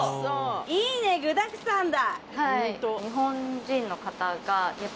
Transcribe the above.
いいね具だくさんだ。